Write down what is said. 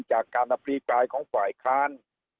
จากการอภิปรายของฝ่ายค้าน